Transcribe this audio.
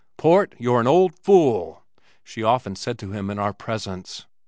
"Port, you're an old fool," she often said to him in our presence.